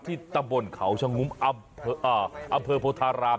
ที่ตำบลเขาชะงุมอำเภอโพธาราม